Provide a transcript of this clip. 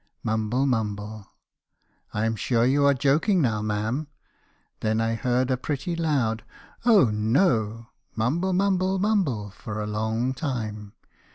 "Mumble, mumble. " 'I'm sure you are joking now, ma'am.' Then I heard a pretty loud —"' Oh no ;' mumble , mumble , mumble , for a long time.